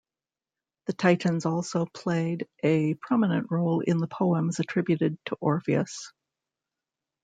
The Titans also played a prominent role in the poems attributed to Orpheus.